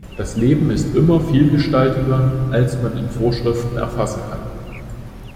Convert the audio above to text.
Das Leben ist immer vielgestaltiger als man in Vorschriften erfassen kann.